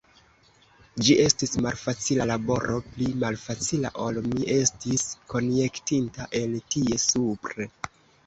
Ĝi estis malfacila laboro, pli malfacila ol mi estis konjektinta el tie supre.